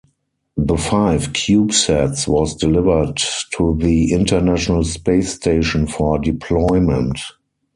The five CubeSats was delivered to the International Space Station for deployment.